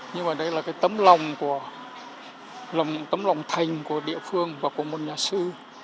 nhưng mà đây là cái tấm lòng thành của địa phương và của một nhà sư